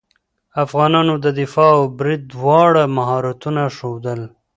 افغانانو د دفاع او برید دواړه مهارتونه ښودل.